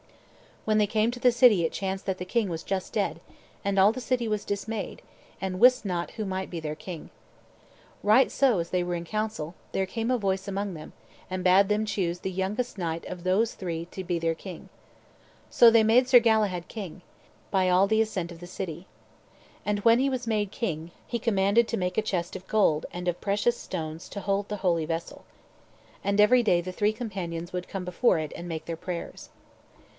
When they came to the city it chanced that the king was just dead, and all the city was dismayed, and wist not who might be their king. Right so, as they were in counsel, there came a voice among them, and bade them choose the youngest knight of those three to be their king. So they made Sir Galahad king, by all the assent of the city. And when he was made king, he commanded to make a chest of gold and of precious stones to hold the holy vessel. And every day the three companions would come before it and make their prayers.